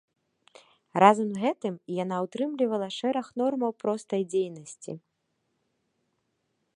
Разам з гэтым яна ўтрымлівала шэраг нормаў простай дзейнасці.